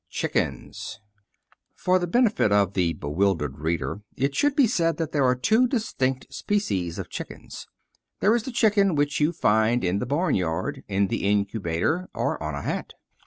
III CHICKENS For the benefit of the bewildered reader it should be said that there are two distinct species of chickens. There is the chicken which you find in the barnyard, in the incubator, or on a hat.